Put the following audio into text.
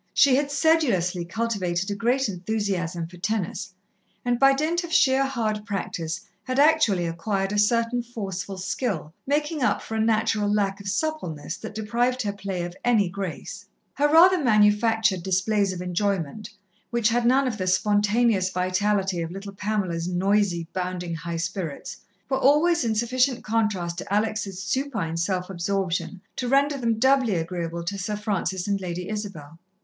She had sedulously cultivated a great enthusiasm for tennis, and by dint of sheer hard practice had actually acquired a certain forceful skill, making up for a natural lack of suppleness that deprived her play of any grace. Her rather manufactured displays of enjoyment, which had none of the spontaneous vitality of little Pamela's noisy, bounding high spirits, were always in sufficient contrast to Alex' supine self absorption to render them doubly agreeable to Sir Francis and Lady Isabel.